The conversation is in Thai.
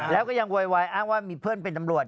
แล้วก็ยังโวยวายอ้างว่ามีเพื่อนเป็นตำรวจ